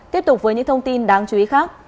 tiếp tục với những thông tin đáng chú ý khác